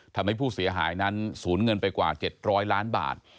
ทำให้ผู้เสียหายนั้นสูญเงินไปกว่า๗๐๐ล้านบาท